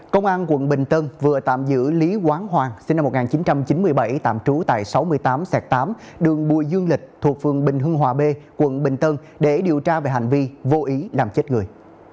công an quận bình tân vừa tạm giữ lý quán hoàng sinh năm một nghìn chín trăm chín mươi bảy tạm trú tại sáu mươi tám tám đường bùi dương lịch thuộc phường bình hưng hòa b quận bình tân để điều tra về hành vi vô ý làm chết người